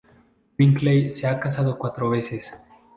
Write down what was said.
Brinkley se ha casado cuatro veces.